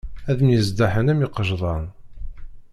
Ad myeẓḍaḥen am yiqecḍan.